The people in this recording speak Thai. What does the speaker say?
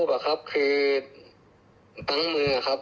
ฆ่าต้องเที่ยวครับ